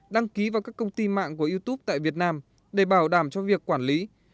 đăng ký vào các công ty mạng của youtube tại việt nam để bảo đảm cho việc quản lý